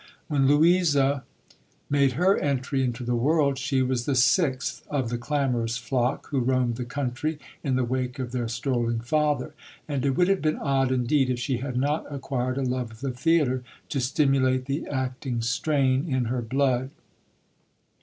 When Louisa made her entry into the world she was the sixth of the clamorous flock who roamed the country in the wake of their strolling father; and it would have been odd indeed if she had not acquired a love of the theatre to stimulate the acting strain in her blood.